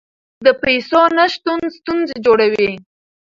د پیسو نشتون ستونزې جوړوي.